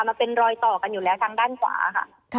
มันเป็นรอยต่อกันอยู่แล้วทางด้านขวาค่ะ